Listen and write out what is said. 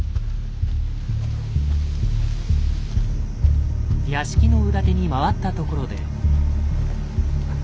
屋敷の裏手に回ったところで。